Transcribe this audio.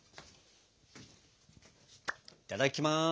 いただきます！